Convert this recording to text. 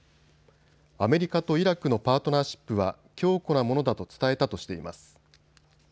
アメリカとイラクのパートナーシップは強固なものだと伝えたとしています。